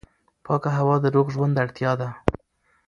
پاکه هوا د روغ ژوند اړتیا ده.